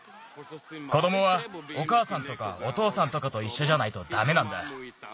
子どもはおかあさんとかおとうさんとかといっしょじゃないとダメなんだ。